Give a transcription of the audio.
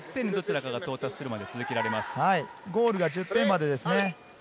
ゴールが１０点までです。